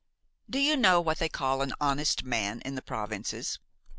Do you know what they call an honest man in the provinces?